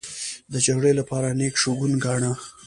د جګړې لپاره نېک شګون گاڼه.